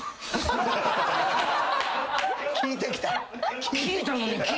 聞いてきた。